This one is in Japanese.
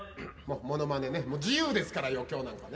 ものまねね、自由ですから、余興なんかね。